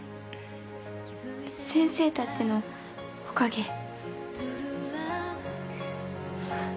先生たちのおかげ。